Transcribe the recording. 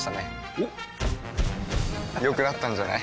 おっ良くなったんじゃない？